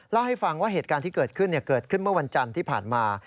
เล่าให้ฟังว่าเหตุการณ์ที่เกิดขึ้นเกิดขึ้นเมื่อวันจันทร์ที่ผ่านมา